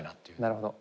なるほど。